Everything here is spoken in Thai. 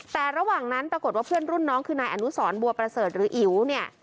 แต่ระหว่างนั้นปรากฏว่าเพื่อนรุ่นน้องคือนายอนุสรบัวประเสริฐหรืออิ๋วเนี่ย